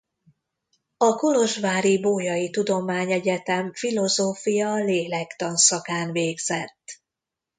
A kolozsvári Bolyai Tudományegyetem filozófia–lélektan szakán végzett.